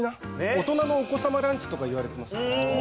大人のお子様ランチとかいわれてますよね。